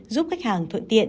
giúp khách hàng thuận tiện